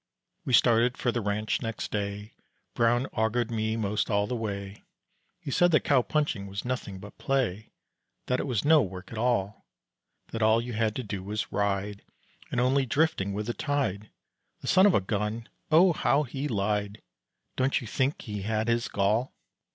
We started for the ranch next day; Brown augured me most all the way. He said that cow punching was nothing but play, That it was no work at all, That all you had to do was ride, And only drifting with the tide; The son of a gun, oh, how he lied. Don't you think he had his gall?